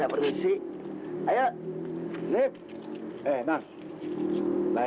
pak mansur nggak diterima pak